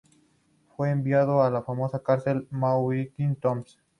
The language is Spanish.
Fue enviado a la famosa cárcel neoyorquina de Tombs.